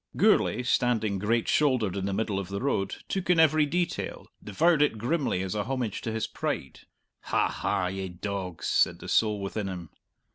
Gourlay, standing great shouldered in the middle of the road, took in every detail, devoured it grimly as a homage to his pride. "Ha, ha, ye dogs!" said the soul within him.